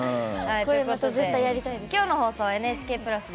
今日の放送はＮＨＫプラスで